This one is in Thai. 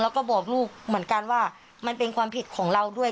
แล้วก็บอกลูกเหมือนกันว่ามันเป็นความผิดของเราด้วย